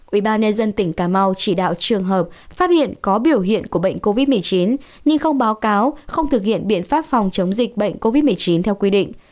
ubnd tỉnh cà mau chỉ đạo trường hợp phát hiện có biểu hiện của bệnh covid một mươi chín nhưng không báo cáo không thực hiện biện pháp phòng chống dịch bệnh covid một mươi chín theo quy định